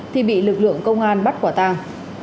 thì bị lực lượng công an bắt quả tàng